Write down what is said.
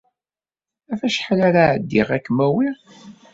Ɣef wacḥal ara d-ɛeddiɣ ad kem-awiɣ?